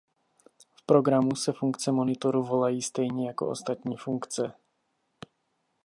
V programu se funkce monitoru volají stejně jako ostatní funkce.